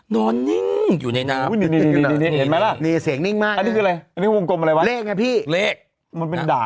นอนนิ่งอยู่ในน้ำ